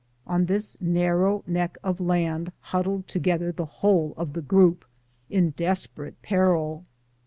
On this narrow neck of land hud dled together the whole of the group, in desperate peril.